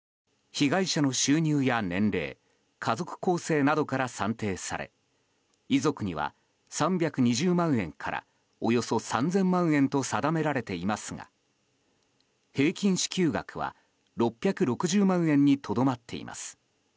被害者の収入や年齢家族構成などから算定され遺族には３２０万円からおよそ３０００万円と定められていますが平均支給額は６６０万円にとどまっています。